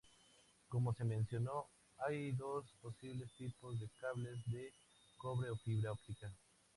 Como se mencionó, hay dos posibles tipos de cables: de cobre o fibra óptica.